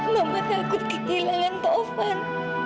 mama takut kehilangan taufan